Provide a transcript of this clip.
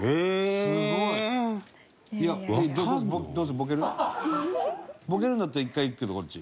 すごい！ボケるんだったら１回いくけどこっち。